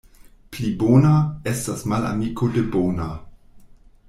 Pli bona — estas malamiko de bona.